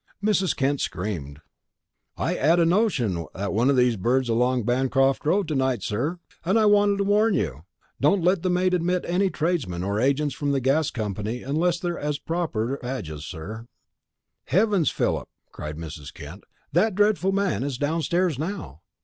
Mrs. Kent screamed. "I 'ad a notion that one o' these birds is along Bancroft Road to night, sir, an' I wanted to warn you. Don't let the maid admit any tradesmen or agents from the gas company unless they 'as the proper badges, sir." "Heavens, Philip!" cried Mrs. Kent. "That dreadful man is downstairs now!